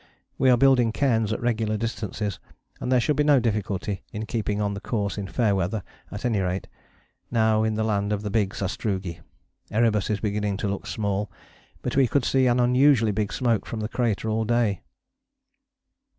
We are building cairns at regular distances, and there should be no difficulty in keeping on the course in fair weather at any rate. Now in the land of big sastrugi: Erebus is beginning to look small, but we could see an unusually big smoke from the crater all day.